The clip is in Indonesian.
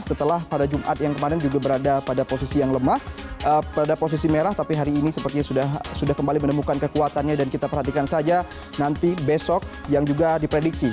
setelah pada jumat yang kemarin juga berada pada posisi yang lemah pada posisi merah tapi hari ini sepertinya sudah kembali menemukan kekuatannya dan kita perhatikan saja nanti besok yang juga diprediksi